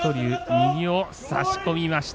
右を差し込みました。